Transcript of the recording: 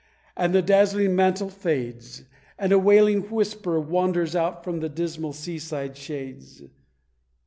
and the dazzling mantle fades; And a wailing whisper wanders out from dismal seaside shades!